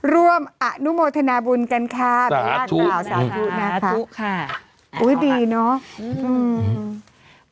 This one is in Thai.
รวมอนุโมธนาบุญกันครับสหาธุค่ะอุ้ยดีเนอะ